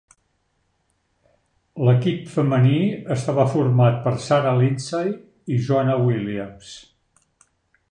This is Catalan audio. L'equip femení estava format per Sarah Lindsay i Joanna Williams.